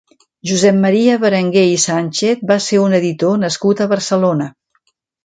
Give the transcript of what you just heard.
Josep Maria Berenguer i Sánchez va ser un editor nascut a Barcelona.